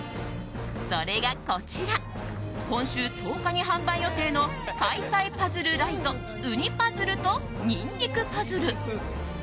それがこちら今週１０日に販売予定の解体パズルＬｉｔｅうにパズルとにんにくパズル。